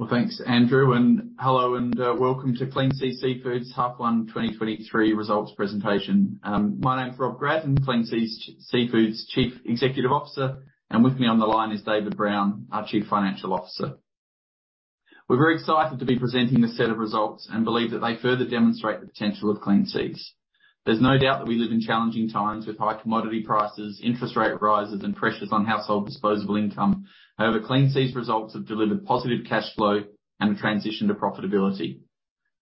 Well, thanks Andrew, hello and welcome to Clean Seas Seafood's Half One 2023 Results presentation. My name is Rob Gratton, Clean Seas Seafood's Chief Executive Officer, with me on the line is David Brown, our Chief Financial Officer. We're very excited to be presenting this set of results and believe that they further demonstrate the potential of Clean Seas. There's no doubt that we live in challenging times with high commodity prices, interest rate rises, and pressures on household disposable income. However, Clean Seas' results have delivered positive cash flow and a transition to profitability.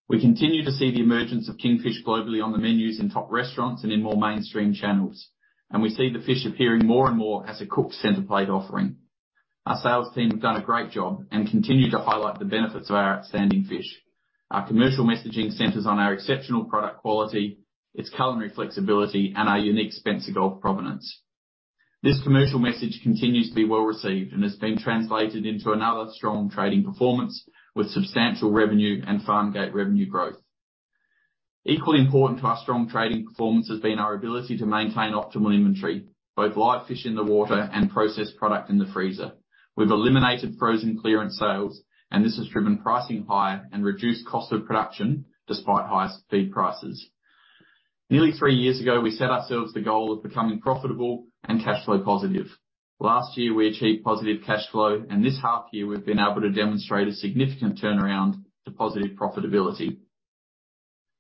We continue to see the emergence of kingfish globally on the menus in top restaurants and in more mainstream channels. We see the fish appearing more and more as a cooked center plate offering. Our sales team have done a great job and continue to highlight the benefits of our outstanding fish. Our commercial messaging centers on our exceptional product quality, its culinary flexibility, and our unique Spencer Gulf provenance. This commercial message continues to be well-received and has been translated into another strong trading performance, with substantial revenue and farmgate revenue growth. Equally important to our strong trading performance has been our ability to maintain optimal inventory, both live fish in the water and processed product in the freezer. We've eliminated frozen clearance sales, and this has driven pricing higher and reduced cost of production despite high feed prices. Nearly three years ago, we set ourselves the goal of becoming profitable and cash flow positive. Last year, we achieved positive cash flow, and this half year we've been able to demonstrate a significant turnaround to positive profitability.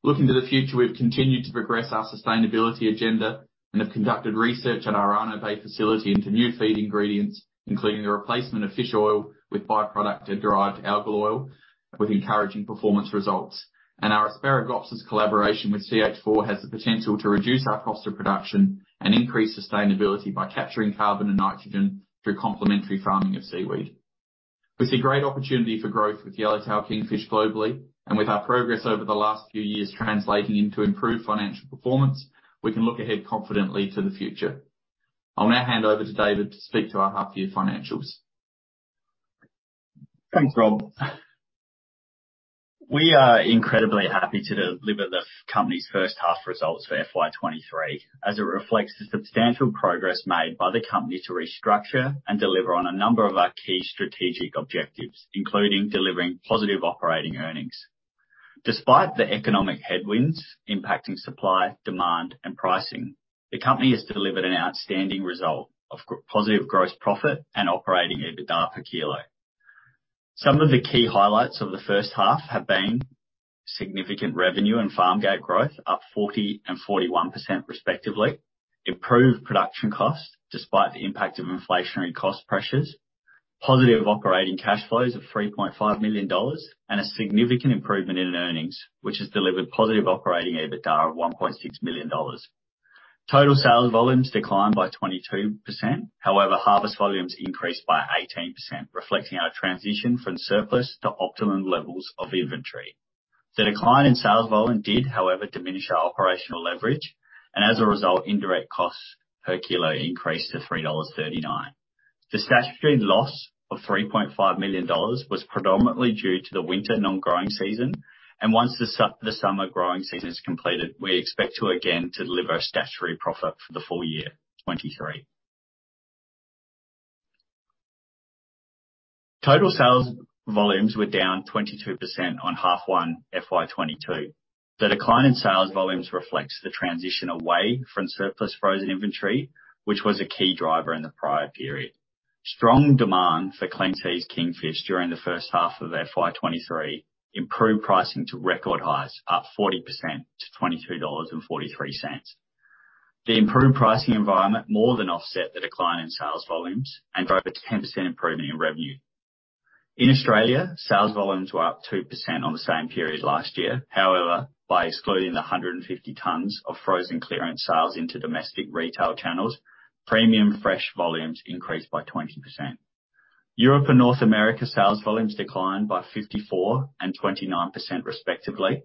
Looking to the future, we've continued to progress our sustainability agenda and have conducted research at our Arno Bay facility into new feed ingredients, including the replacement of fish oil with by-product and derived algal oil with encouraging performance results. Our Asparagopsis collaboration with CH4 has the potential to reduce our cost of production and increase sustainability by capturing carbon and nitrogen through complementary farming of seaweed. We see great opportunity for growth with Yellowtail Kingfish globally, and with our progress over the last few years translating into improved financial performance, we can look ahead confidently to the future. I'll now hand over to David to speak to our half-year financials. Thanks, Rob. We are incredibly happy to deliver the company's first half results for FY 2023, as it reflects the substantial progress made by the company to restructure and deliver on a number of our key strategic objectives, including delivering positive operating earnings. Despite the economic headwinds impacting supply, demand, and pricing, the company has delivered an outstanding result of positive gross profit and operating EBITDA per kilo. Some of the key highlights of the first half have been significant revenue and farmgate growth, up 40% and 41% respectively, improved production costs despite the impact of inflationary cost pressures, positive operating cash flows of 3.5 million dollars, and a significant improvement in earnings, which has delivered positive operating EBITDA of 1.6 million dollars. Total sales volumes declined by 22%. Harvest volumes increased by 18%, reflecting our transition from surplus to optimum levels of inventory. The decline in sales volume did, however, diminish our operational leverage, and as a result, indirect costs per kilo increased to 3.39 dollars. The statutory loss of 3.5 million dollars was predominantly due to the winter non-growing season. Once the summer growing season is completed, we expect to again deliver a statutory profit for the full year FY 2023. Total sales volumes were down 22% on half one FY 2022. The decline in sales volumes reflects the transition away from surplus frozen inventory, which was a key driver in the prior period. Strong demand for Clean Seas Kingfish during the first half of FY 2023 improved pricing to record highs, up 40% to 23.43 dollars. The improved pricing environment more than offset the decline in sales volumes and drove a 10% improvement in revenue. In Australia, sales volumes were up 2% on the same period last year. By excluding the 150 tons of frozen clearance sales into domestic retail channels, premium fresh volumes increased by 20%. Europe and North America sales volumes declined by 54% and 29%, respectively.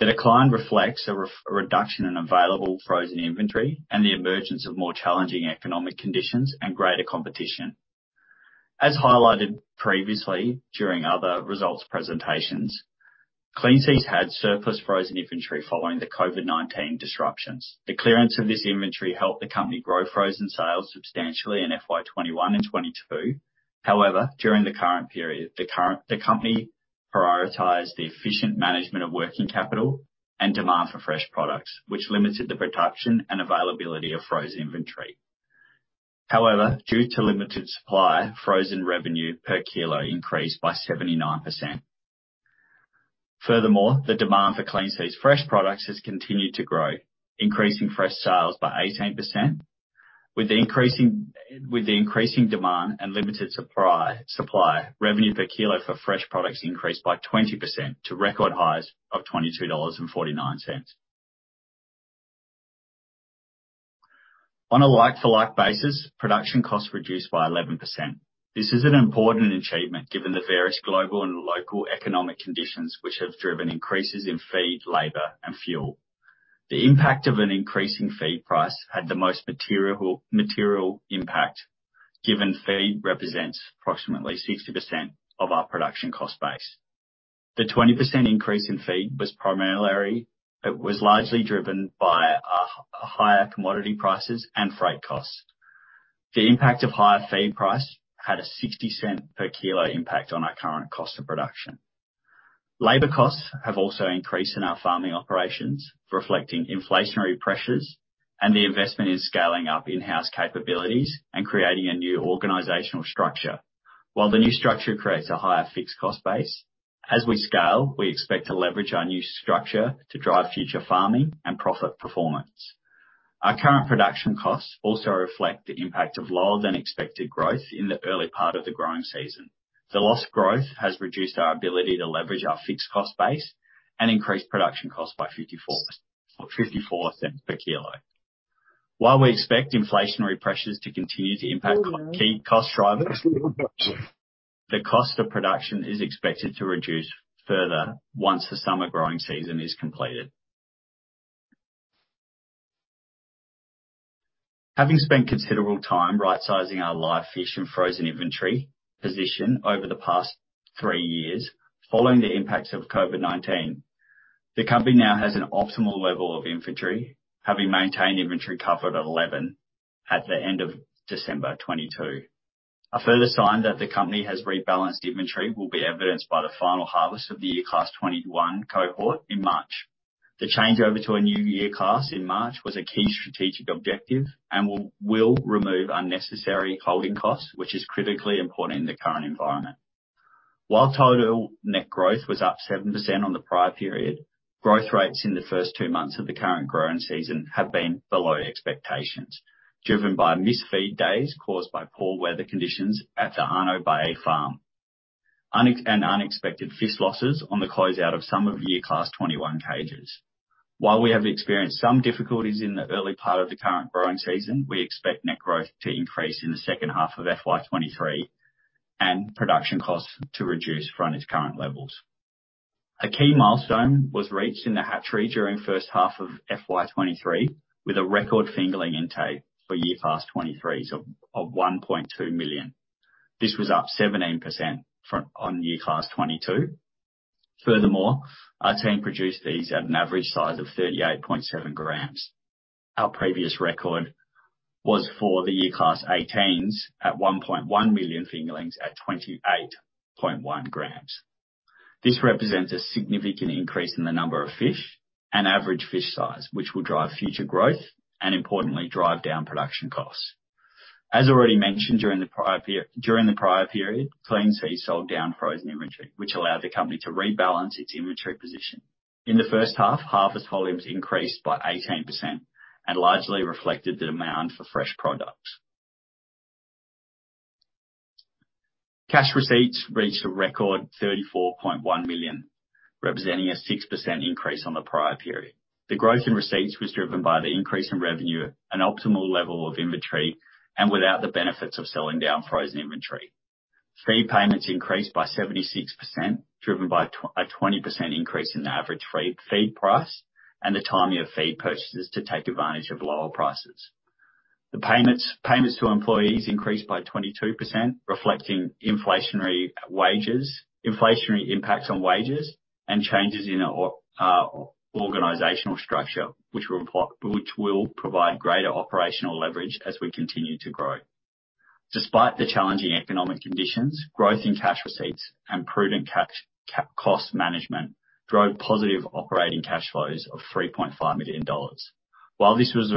The decline reflects a reduction in available frozen inventory and the emergence of more challenging economic conditions and greater competition. As highlighted previously during other results presentations, Clean Seas had surplus frozen inventory following the COVID-19 disruptions. The clearance of this inventory helped the company grow frozen sales substantially in FY 2021 and FY 2022. During the current period, the company prioritized the efficient management of working capital and demand for fresh products, which limited the production and availability of frozen inventory. Due to limited supply, frozen revenue per kilo increased by 79%. Furthermore, the demand for Clean Seas fresh products has continued to grow, increasing fresh sales by 18%. With the increasing demand and limited supply, revenue per kilo for fresh products increased by 20% to record highs of 22.49 dollars. On a like for like basis, production costs reduced by 11%. This is an important achievement given the various global and local economic conditions, which have driven increases in feed, labor, and fuel. The impact of an increase in feed price had the most material impact, given feed represents approximately 60% of our production cost base. The 20% increase in feed was largely driven by higher commodity prices and freight costs. The impact of higher feed price had a 0.60 per kilo impact on our current cost of production. Labor costs have also increased in our farming operations, reflecting inflationary pressures and the investment in scaling up in-house capabilities and creating a new organizational structure. While the new structure creates a higher fixed cost base, as we scale, we expect to leverage our new structure to drive future farming and profit performance. Our current production costs also reflect the impact of lower-than-expected growth in the early part of the growing season. The lost growth has reduced our ability to leverage our fixed cost base and increased production costs by 0.54 per kilo. We expect inflationary pressures to continue to impact key cost drivers, the cost of production is expected to reduce further once the summer growing season is completed. Having spent considerable time rightsizing our live fish and frozen inventory position over the past three years, following the impacts of COVID-19, the company now has an optimal level of inventory, having maintained inventory cover of 11 at the end of December 2022. A further sign that the company has rebalanced inventory will be evidenced by the final harvest of the year class 2021 cohort in March. The change over to a new year class in March was a key strategic objective and will remove unnecessary holding costs, which is critically important in the current environment. While total net growth was up 7% on the prior period, growth rates in the first two months of the current growing season have been below expectations, driven by missed feed days caused by poor weather conditions at the Arno Bay farm, and unexpected fish losses on the closeout of some of the year class 2021 cages. While we have experienced some difficulties in the early part of the current growing season, we expect net growth to increase in the second half of FY 2023 and production costs to reduce from its current levels. A key milestone was reached in the hatchery during first half of FY 2023, with a record fingerling intake for year class 2023, so of 1.2 million. This was up 17% on year class 2022. Furthermore, our team produced these at an average size of 38.7 g. Our previous record was for the year class 18s at 1.1 million fingerlings at 28.1 g. This represents a significant increase in the number of fish and average fish size, which will drive future growth and importantly drive down production costs. As already mentioned, during the prior period, Clean Seas sold down frozen inventory, which allowed the company to rebalance its inventory position. In the first half, harvest volumes increased by 18% and largely reflected the demand for fresh products. Cash receipts reached a record 34.1 million, representing a 6% increase on the prior period. The growth in receipts was driven by the increase in revenue, an optimal level of inventory, and without the benefits of selling down frozen inventory. Feed payments increased by 76%, driven by a 20% increase in the average feed price and the timing of feed purchases to take advantage of lower prices. Payments to employees increased by 22%, reflecting inflationary wages, inflationary impacts on wages and changes in our organizational structure, which will provide greater operational leverage as we continue to grow. Despite the challenging economic conditions, growth in cash receipts and prudent cost management drove positive operating cash flows of 3.5 million dollars. While this was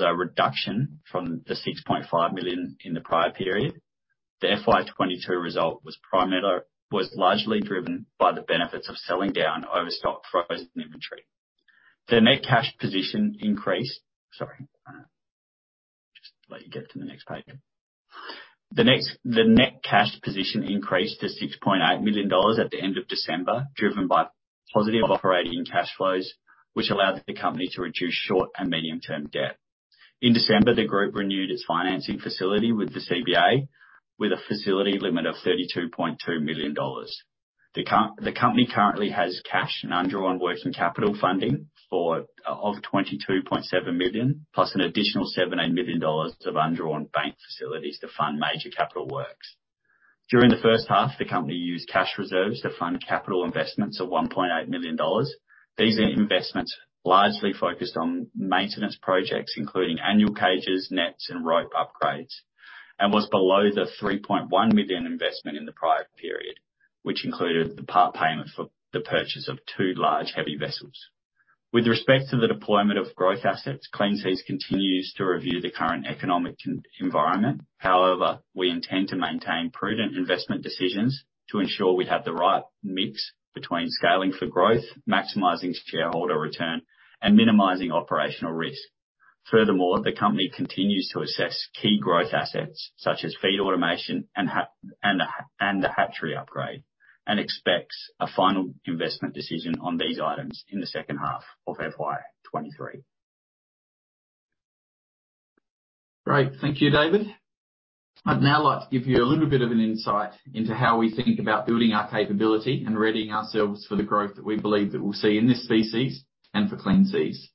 a reduction from the 6.5 million in the prior period, the FY 2022 result was largely driven by the benefits of selling down overstocked frozen inventory. The net cash position increased. Sorry, just let me get to the next page. The net cash position increased to 6.8 million dollars at the end of December, driven by positive operating cash flows, which allowed the company to reduce short and medium-term debt. In December, the group renewed its financing facility with the CBA, with a facility limit of 32.2 million dollars. The company currently has cash and undrawn working capital funding of 22.7 million, plus an additional 7.8 million dollars of undrawn bank facilities to fund major capital works. During the first half, the company used cash reserves to fund capital investments of 1.8 million dollars. These investments largely focused on maintenance projects, including annual cages, nets, and rope upgrades, and was below the 3.1 million investment in the prior period, which included the part payment for the purchase of two large heavy vessels. With respect to the deployment of growth assets, Clean Seas continues to review the current economic environment. We intend to maintain prudent investment decisions to ensure we have the right mix between scaling for growth, maximizing shareholder return, and minimizing operational risk. The company continues to assess key growth assets such as feed automation and the hatchery upgrade, and expects a final investment decision on these items in the second half of FY 2023. Great. Thank you, David. I'd now like to give you a little bit of an insight into how we think about building our capability and readying ourselves for the growth that we believe that we'll see in this species and for Clean Seas.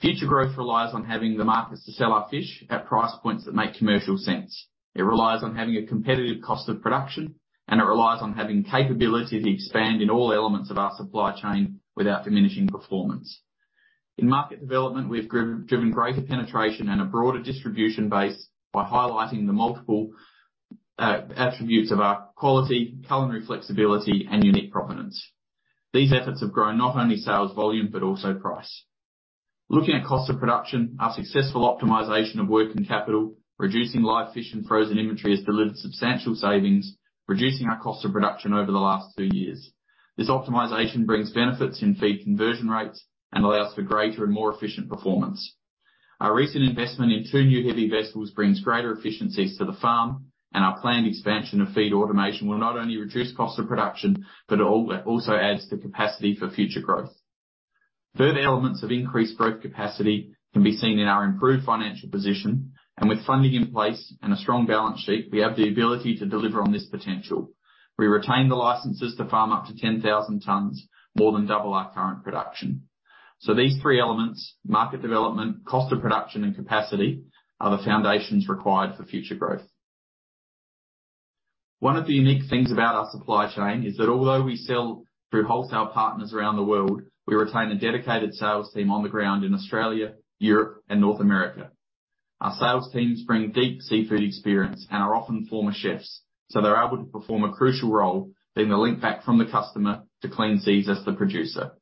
Future growth relies on having the markets to sell our fish at price points that make commercial sense. It relies on having a competitive cost of production, it relies on having capability to expand in all elements of our supply chain without diminishing performance. In market development, we've driven greater penetration and a broader distribution base by highlighting the multiple attributes of our quality, culinary flexibility, and unique provenance. These efforts have grown not only sales volume, but also price. Looking at cost of production, our successful optimization of working capital, reducing live fish and frozen inventory has delivered substantial savings, reducing our cost of production over the last two years. This optimization brings benefits in feed conversion rates and allows for greater and more efficient performance. Our recent investment in two new heavy vessels brings greater efficiencies to the farm, and our planned expansion of feed automation will not only reduce cost of production, but it also adds to capacity for future growth. Further elements of increased growth capacity can be seen in our improved financial position, and with funding in place and a strong balance sheet, we have the ability to deliver on this potential. We retain the licenses to farm up to 10,000 tons, more than double our current production. These three elements, market development, cost of production, and capacity, are the foundations required for future growth. One of the unique things about our supply chain is that although we sell through wholesale partners around the world, we retain a dedicated sales team on the ground in Australia, Europe, and North America. Our sales teams bring deep seafood experience and are often former chefs. They're able to perform a crucial role being the link back from the customer to Clean Seas as the producer.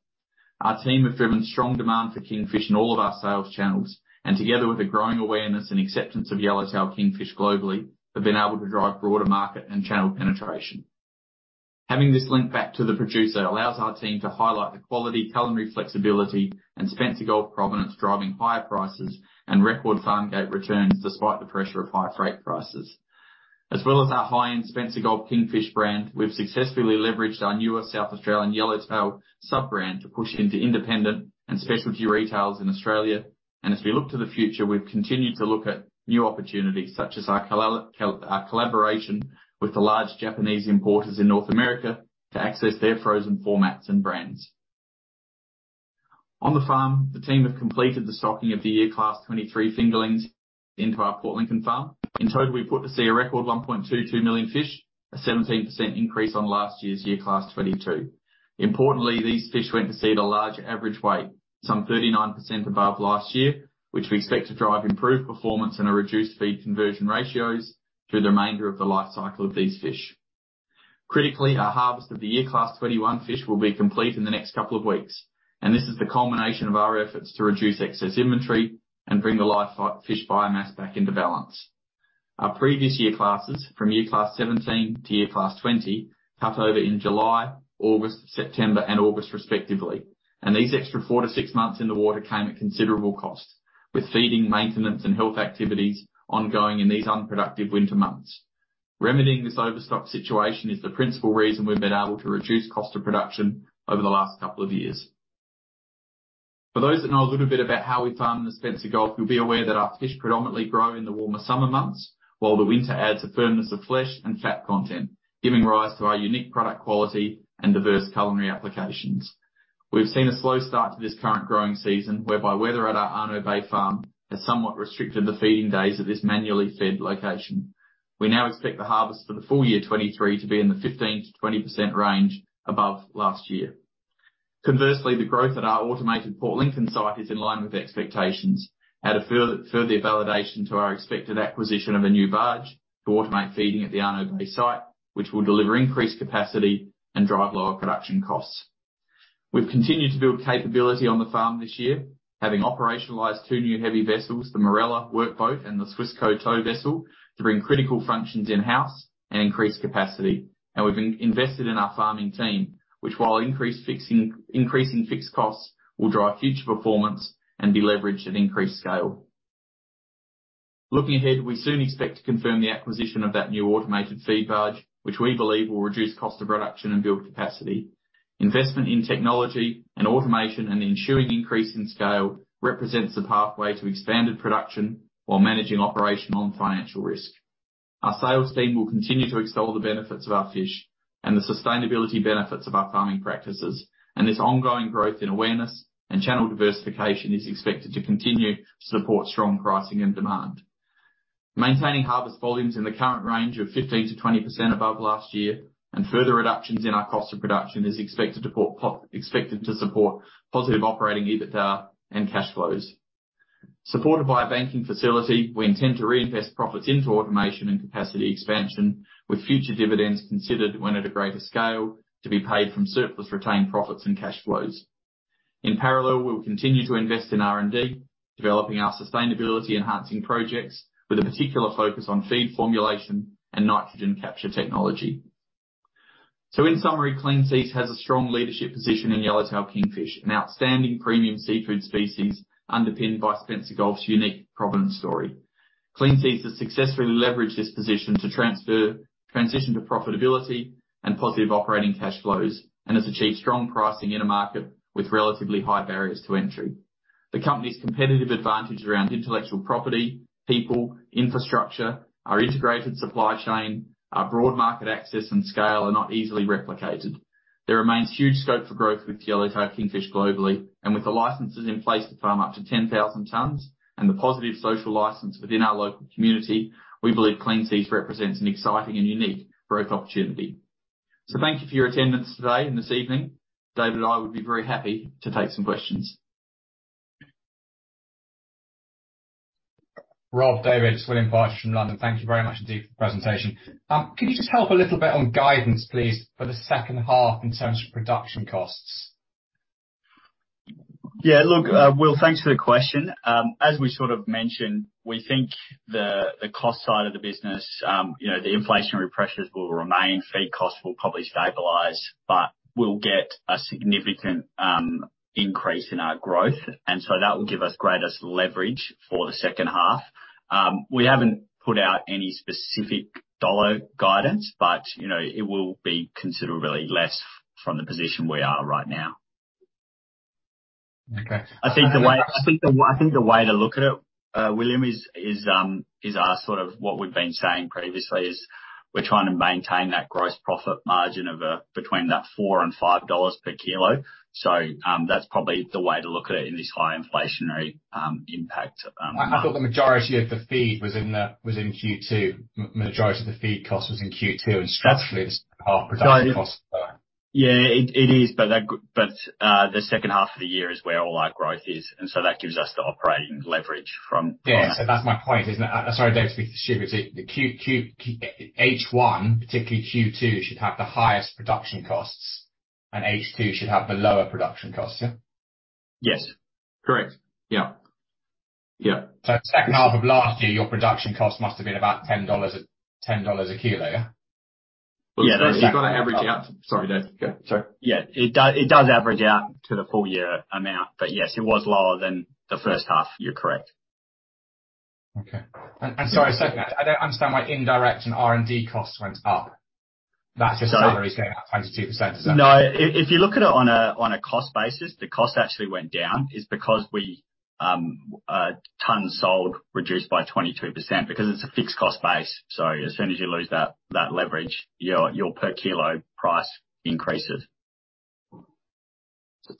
Our team have driven strong demand for kingfish in all of our sales channels. Together with a growing awareness and acceptance of Yellowtail Kingfish globally, have been able to drive broader market and channel penetration. Having this link back to the producer allows our team to highlight the quality, culinary flexibility, and Spencer Gulf provenance, driving higher prices and record farmgate returns despite the pressure of high freight prices. As well as our high-end Spencer Gulf Kingfish brand, we've successfully leveraged our newer South Australian Yellowtail sub-brand to push into independent and specialty retails in Australia. As we look to the future, we've continued to look at new opportunities such as our collaboration with the large Japanese importers in North America to access their frozen formats and brands. On the farm, the team have completed the stocking of the year class 2023 fingerlings into our Port Lincoln farm. In total, we put to sea a record 1.22 million fish, a 17% increase on last year's year class 2022. Importantly, these fish went to sea at a larger average weight, some 39% above last year, which we expect to drive improved performance and a reduced feed conversion ratios through the remainder of the life cycle of these fish. Critically, our harvest of the year class 2021 fish will be complete in the next couple of weeks. This is the culmination of our efforts to reduce excess inventory and bring the live fish biomass back into balance. Our previous year classes, from year class 2017 to year class 2020, cut over in July, August, September, and August respectively. These extra four to six months in the water came at considerable cost. With feeding, maintenance, and health activities ongoing in these unproductive winter months. Remedying this overstock situation is the principal reason we've been able to reduce cost of production over the last couple of years. For those that know a little bit about how we farm the Spencer Gulf, you'll be aware that our fish predominantly grow in the warmer summer months, while the winter adds a firmness of flesh and fat content, giving rise to our unique product quality and diverse culinary applications. We've seen a slow start to this current growing season, whereby weather at our Arno Bay farm has somewhat restricted the feeding days of this manually fed location. We now expect the harvest for FY 2023 to be in the 15%-20% range above last year. Conversely, the growth at our automated Port Lincoln site is in line with expectations. Add a further validation to our expected acquisition of a new barge to automate feeding at the Arno Bay site, which will deliver increased capacity and drive lower production costs. We've continued to build capability on the farm this year, having operationalized two new heavy vessels, the Morella work boat and the Swissco tow vessel, to bring critical functions in-house and increase capacity. We've invested in our farming team, which while increasing fixed costs, will drive future performance and be leveraged at increased scale. Looking ahead, we soon expect to confirm the acquisition of that new automated feed barge, which we believe will reduce cost of production and build capacity. Investment in technology and automation, and the ensuing increase in scale represents the pathway to expanded production while managing operational and financial risk. Our sales team will continue to extol the benefits of our fish and the sustainability benefits of our farming practices, this ongoing growth in awareness and channel diversification is expected to continue to support strong pricing and demand. Maintaining harvest volumes in the current range of 15%-20% above last year and further reductions in our cost of production is expected to support positive operating EBITDA and cash flows. Supported by a banking facility, we intend to reinvest profits into automation and capacity expansion, with future dividends considered when at a greater scale to be paid from surplus retained profits and cash flows. In parallel, we will continue to invest in R&D, developing our sustainability-enhancing projects with a particular focus on feed formulation and nitrogen capture technology. In summary, Clean Seas has a strong leadership position in Yellowtail Kingfish, an outstanding premium seafood species underpinned by Spencer Gulf's unique provenance story. Clean Seas has successfully leveraged this position to transition to profitability and positive operating cash flows, and has achieved strong pricing in a market with relatively high barriers to entry. The company's competitive advantage around intellectual property, people, infrastructure, our integrated supply chain, our broad market access and scale are not easily replicated. There remains huge scope for growth with Yellowtail Kingfish globally. With the licenses in place to farm up to 10,000 tons and the positive social license within our local community, we believe Clean Seas represents an exciting and unique growth opportunity. Thank you for your attendance today and this evening. David and I would be very happy to take some questions. Rob, David, it's William Foster from London. Thank you very much indeed for the presentation. Could you just help a little bit on guidance please, for the second half in terms of production costs? Yeah. Look, Will, thanks for the question. As we sort of mentioned, we think the cost side of the business, you know, the inflationary pressures will remain. Feed costs will probably stabilize, but we'll get a significant increase in our growth, and so that will give us greatest leverage for the second half. We haven't put out any specific dollar guidance, but, you know, it will be considerably less from the position we are right now. Okay. I think the way to look at it, William, is our sort of what we've been saying previously is we're trying to maintain that gross profit margin of between 4 and 5 dollars per kilo. That's probably the way to look at it in this high inflationary impact. I thought the majority of the feed was in Q2. Majority of the feed cost was in Q2. Structurally this half production cost. Yeah, it is, but the second half of the year is where all our growth is, that gives us the operating leverage. Yeah. That's my point, isn't it? Sorry, Dave, to be distributed. The H1, particularly Q2, should have the highest production costs and H2 should have the lower production costs. Yeah. Yes. Correct. Yeah. Yeah. Second half of last year, your production cost must have been about 10 dollars a kilo. Yeah? Yeah. You've got to average out... Sorry, Dave. Go. Sorry. Yeah. It does average out to the full year amount, but yes, it was lower than the first half. You're correct. Okay. Sorry, second. I don't understand why indirect and R&D costs went up. That's just salaries going up 22%. No. If you look at it on a cost basis, the cost actually went down. It's because we tons sold reduced by 22% because it's a fixed cost base. As soon as you lose that leverage, your per kilo price increases.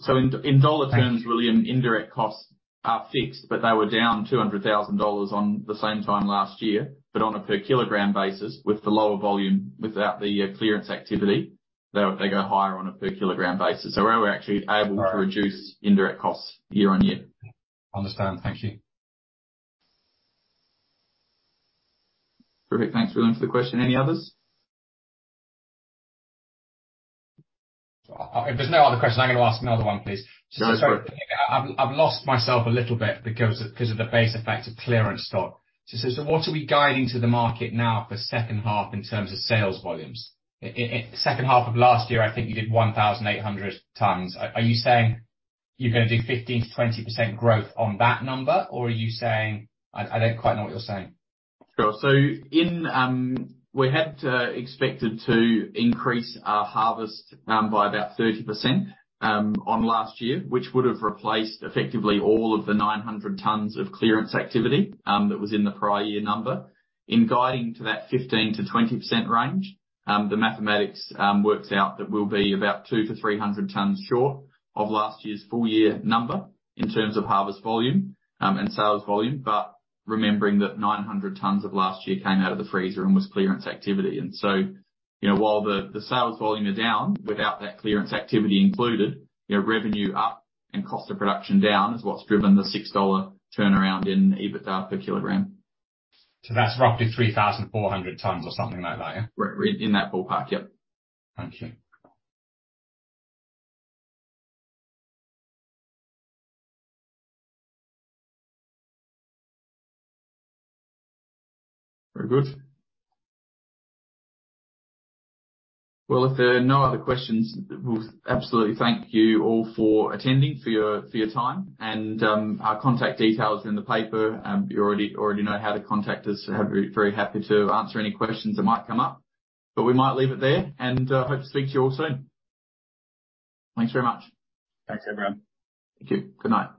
In dollar terms, William, indirect costs are fixed, but they were down 200,000 dollars on the same time last year. On a per kilogram basis, with the lower volume, without the clearance activity, they go higher on a per kilogram basis. We're actually able to reduce indirect costs year-on-year. Understand. Thank you. Perfect. Thanks, William, for the question. Any others? If there's no other question, I'm gonna ask another one, please. No, sure. I've lost myself a little bit because of the base effect of clearance stock. What are we guiding to the market now for second half in terms of sales volumes? In second half of last year, I think you did 1,800 tons. Are you saying you're gonna do 15%-20% growth on that number, or are you saying? I don't quite know what you're saying. Sure. We had expected to increase our harvest by about 30% on last year, which would have replaced effectively all of the 900 tons of clearance activity that was in the prior year number. In guiding to that 15%-20% range, the mathematics works out that we'll be about 200-300 tons short of last year's full year number in terms of harvest volume and sales volume. Remembering that 900 tons of last year came out of the freezer and was clearance activity. you know, while the sales volume are down without that clearance activity included, your revenue up and cost of production down is what's driven the 6 dollar turnaround in EBITDA per kilogram. That's roughly 3,400 tons or something like that. Yeah. Ri-in that ballpark, yep. Thank you. Very good. Well, if there are no other questions, we'll absolutely thank you all for attending, for your time. Our contact details in the paper, you alr eady know how to contact us. Very happy to answer any questions that might come up. We might leave it there, hope to speak to you all soon. Thanks very much. Thanks, everyone. Thank you. Good night.